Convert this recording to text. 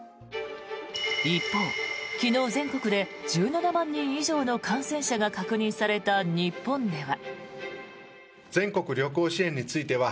一方、昨日全国で１７万人以上の感染者が確認された日本では。